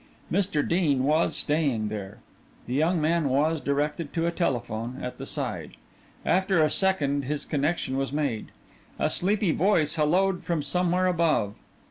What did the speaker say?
Mr. Dean was staying there. The young man was directed to a telephone at the side. After a second his connection was made; a sleepy voice hello'd from somewhere above.